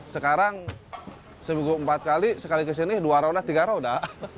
sekarang seminggu empat kali sekali kesini dua roda tiga roda